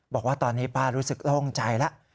บอกว่าตอนนี้ป้ารู้สึกโล่งใจแล้ว